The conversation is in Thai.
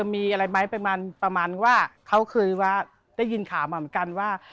มีอะไรไหมประมาณประมาณว่าเขาเคยว่าได้ยินข่าวมาเหมือนกันว่า